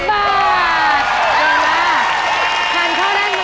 ๑๐บาทเนี่ยหน้า